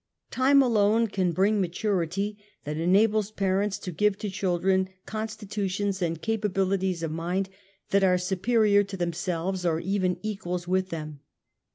Time alone can bring maturity that enables parents to give to children constitutions and capabilities of mind that are superior to them selves, or even equals w^ith them.